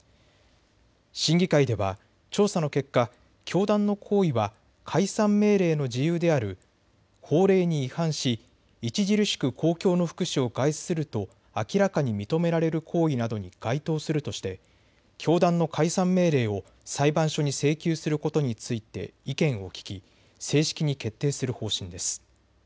審議会では調査の結果、教団の行為は解散命令の事由である法令に違反し著しく公共の福祉を害すると明らかに認められる行為などに該当するとして教団の解散命令を裁判所に請求することについて意見を聴き正式に決定する方針です。